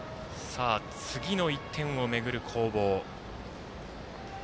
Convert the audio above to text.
次の１点を巡る攻防。